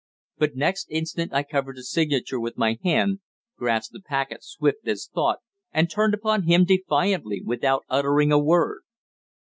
But next instant I covered the signature with my hand, grasped the packet swift as thought, and turned upon him defiantly, without uttering a word.